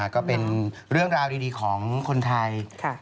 ก็เป็นเรื่องราวดีของคนไทย